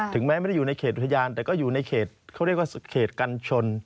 ไม่ได้อยู่ในเขตอุทยานแต่ก็อยู่ในเขตเขาเรียกว่าเขตกันชน